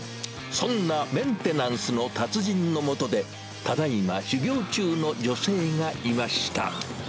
そんなメンテナンスの達人の下で、ただいま修業中の女性がいました。